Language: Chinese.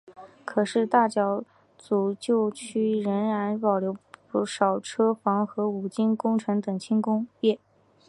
可是大角咀旧区仍然保留不少车房和五金工程等轻工业。